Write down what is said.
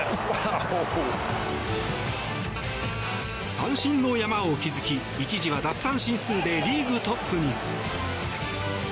三振の山を築き一時は奪三振数でリーグトップに。